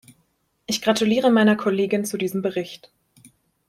Ich gratuliere meiner Kollegin zu diesem Bericht.